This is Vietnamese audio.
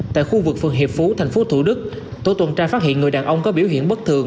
tại khu vực phường hiệp phú tp hcm tổ tồn tra phát hiện người đàn ông có biểu hiện bất thường